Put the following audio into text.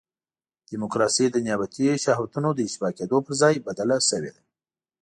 ډیموکراسي د نیابتي شهوتونو د اشباع کېدو پر ځای بدله شوې ده.